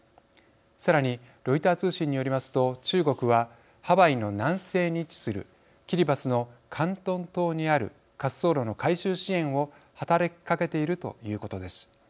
さらにロイター通信によりますと中国は、ハワイの南西に位置するキリバスのカントン島にある滑走路の改修支援を働きかけているということです。